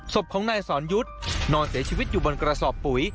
ศพของนายสอนยุทธ์นอนเสียชีวิตอยู่บนกระสอบปุ๋ย